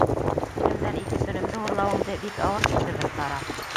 — Иремдән ике төнөмдө урлауыңды бик ауыр кисерҙем, Сара.